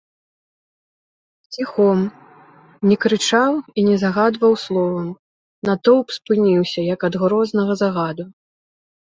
Ціхом, не крычаў і не загадваў словам, натоўп спыніўся, як ад грознага загаду.